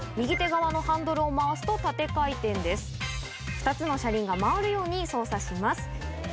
２つの車輪が回るように操作します。